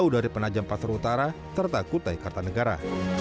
dari penajam pasar utara serta kutai kartanegara